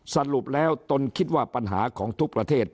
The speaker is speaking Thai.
สรุปแล้วตนคิดว่าปัญหาของทุกประเทศ